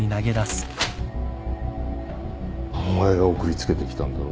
お前が送り付けてきたんだろ？